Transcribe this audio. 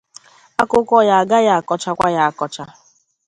Akụkọ ya agaghị akọchakwa akọcha